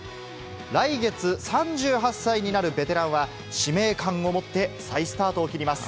来月、３８歳になるベテランは、使命感を持って再スタートを切ります。